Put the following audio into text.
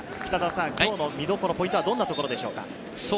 今日の見どころ、ポイントはどんなところでしょうか？